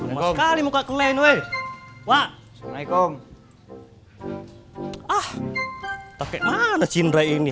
sekali muka keren weh wa assalamualaikum ah pakai mana cinder ini